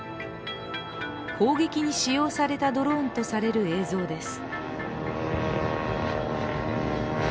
攻撃に使用されたドローンとされる映像です。